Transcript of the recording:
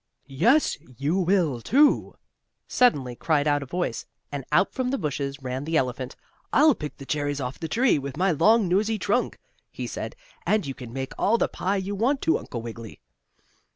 "Yes, you will, too!" suddenly cried out a voice, and out from the bushes ran the elephant. "I'll pick the cherries off the tree with my long, nosey trunk," he said, "and you can make all the pie you want to, Uncle Wiggily."